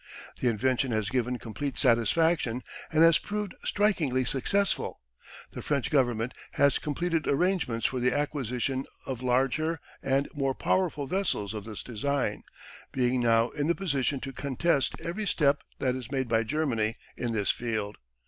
The invention has given complete satisfaction, and has proved strikingly successful. The French Government has completed arrangements for the acquisition of larger and more powerful vessels of this design, being now in the position to contest every step that is made by Germany in this field.